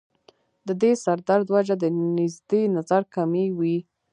د دې سر درد وجه د نزدې نظر کمی وي